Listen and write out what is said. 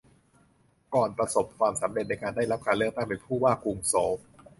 ก่อนประสบความสำเร็จในการได้รับการเลือกตั้งเป็นผู้ว่ากรุงโซล